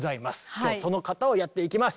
今日はその方をやっていきます！